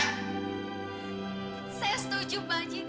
saya setuju pak haji